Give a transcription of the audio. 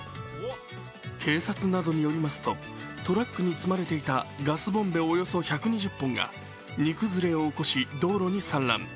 警察などによりますとトラックに積まれていたガスボンベおよそ１２０本が荷崩れを起こし、道路に散乱。